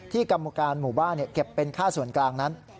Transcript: กรรมการหมู่บ้านเก็บเป็นค่าส่วนกลางนั้น